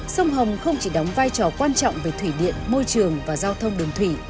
sông hồng không chỉ đóng vai trò quan trọng về thủy điện môi trường và giao thông đường thủy